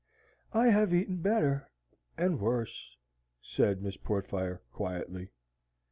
"I have eaten better, and worse," said Miss Portfire, quietly.